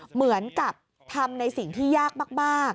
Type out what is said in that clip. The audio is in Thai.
เหมือนกับทำในสิ่งที่ยากมาก